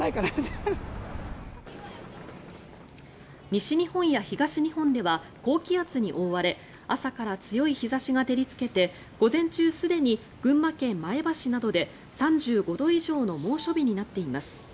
西日本や東日本では高気圧に覆われ朝から強い日差しが照りつけて午前中すでに群馬県前橋などで３５度以上の猛暑日になっています。